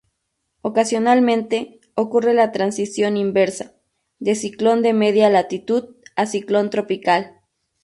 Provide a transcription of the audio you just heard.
Ocasionalmente, ocurre la transición inversa, de ciclón de media latitud a ciclón tropical.